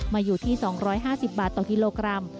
อยู่ที่๒๕๐บาทต่อกิโลกรัม